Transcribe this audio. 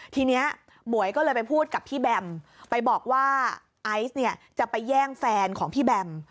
ทีนี้หมวยก็เลยไปพูดกับพี่แบมไปบอกว่าไอซ์เนี่ยจะไปแย่งแฟนของพี่แบม